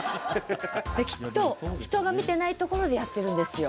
きっと人が見てないところでやってるんですよ。